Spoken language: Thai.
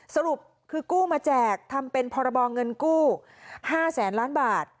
สรุปคือกู้มาแจกทำเป็นพรบเงินกู้๕แสนล้านบาท